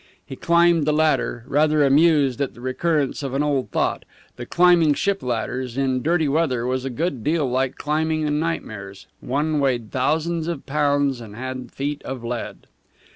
He climbed the ladder, rather amused at the recurrence of an old thought that climbing ship ladders in dirty weather was a good deal like climbing in nightmares: one weighed thousands of pounds and had feet of lead.